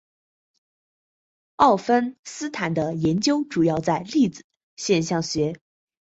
沃芬斯坦的研究主要在粒子现象学。